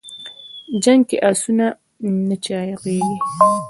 د جنګ کې اسونه نه چاغېږي.